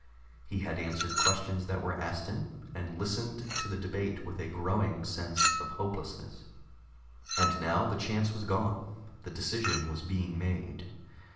He had answered questions that were asked him, and listened to the debate with a growing sense of hopelessness. And now the chance was gone. The decision was being made.